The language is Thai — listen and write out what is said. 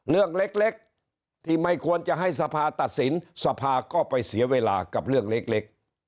เรื่องเล็กที่ไม่ควรจะให้สภาตัดสินสภาก็ไปเสียเวลากับเรื่องเล็ก